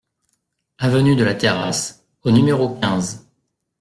Avenue de la Terrasse au numéro quinze